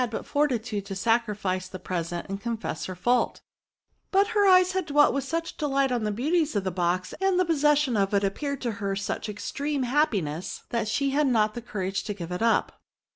but fortitude to sacrifice the present and confess her &ult; but her eyes had dwelt with such delight on the beauties of the box, and the possession of it appeared to her such supreme happiness, that she had not the courage to give it up.